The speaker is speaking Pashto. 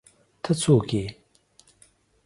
ته څوک ېې